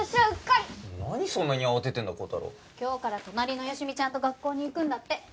今日から隣の好美ちゃんと学校に行くんだって。